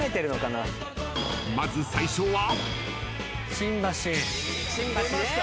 ［まず最初は］